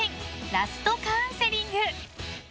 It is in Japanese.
ラストカウンセリング。